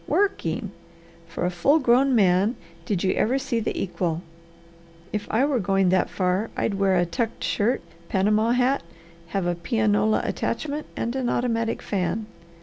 Working! For a full grown man, did you ever see the equal? If I were going that far I'd wear a tucked shirt, panama hat, have a pianola attachment, and an automatic fan."